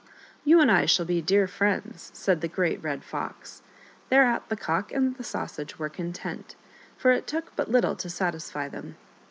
"You and I shall be dear friends," said the Great Red Fox. Thereat the Cock and the Sausage were content, for it took but little to satisfy them.